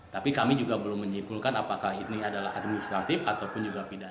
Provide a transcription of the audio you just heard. tapi kami juga belum menyimpulkan apakah ini adalah administratif ataupun juga pidana